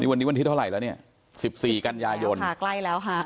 วันนี้วันที่เท่าไหร่แล้วเนี่ยสิบสี่กันยายนค่ะใกล้แล้วค่ะ